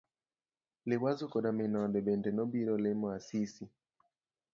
Liwazo koda min ode bende nobiro limo Asisi.